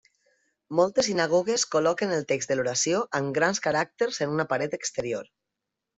Moltes sinagogues col·loquen el text de l'oració amb grans caràcters en una paret exterior.